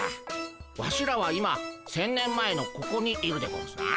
ワシらは今１，０００年前のここにいるでゴンスな。